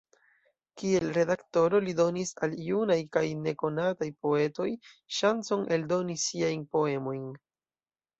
Kiel redaktoro, li donis al junaj kaj nekonataj poetoj ŝancon eldoni siajn poemojn.